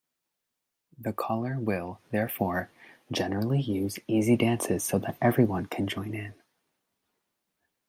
The caller will, therefore, generally use easy dances so that everyone can join in.